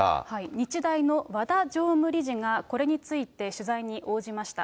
日大の和田常務理事が、これについて取材に応じました。